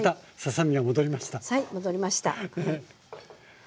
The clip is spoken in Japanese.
はい戻りました。